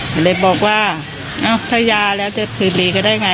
ก็เลยบอกว่าเอ้าถ้ายาแล้วจะคืนดีก็ได้ไง